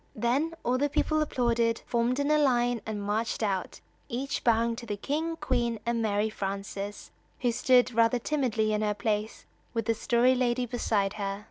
Then all the people applauded, formed in line and marched out, each bowing to the King, Queen and Mary Frances, who stood rather timidly in her place with the Story Lady beside her.